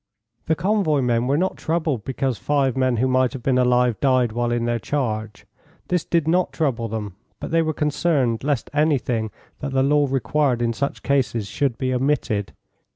] The convoy men were not troubled because five men who might have been alive died while in their charge. This did not trouble them, but they were concerned lest anything that the law required in such cases should be omitted.